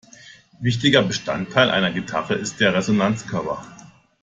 Wichtiger Bestandteil einer Gitarre ist der Resonanzkörper.